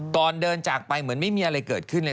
ก่อนเดินจากไปเหมือนไม่มีอะไรเกิดขึ้นเลย